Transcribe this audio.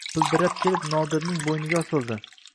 Pildirab kelib Nodirning bo‘yniga osildi.